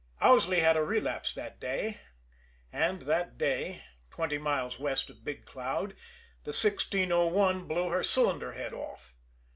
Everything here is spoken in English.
Owsley had a relapse that day and that day, twenty miles west of Big Cloud, the 1601 blew her cylinder head off.